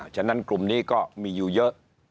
ฉะนั้นกลุ่มนี้ก็มีอยู่เยอะ